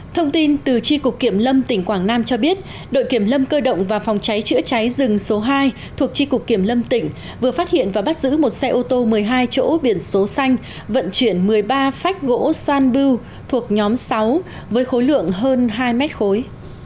thông tin từ tri cục kiểm lâm tỉnh quảng nam cho biết đội kiểm lâm cơ động và phòng cháy chữa cháy rừng số hai thuộc tri cục kiểm lâm tỉnh vừa phát hiện và bắt giữ một xe ô tô một mươi hai chỗ biển số xanh vận chuyển một mươi ba phách gỗ xoan bưu thuộc nhóm sáu với khối lượng hơn hai mét khối